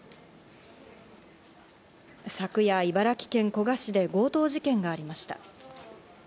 昨夜、茨城県古河市で強盗事件がありました。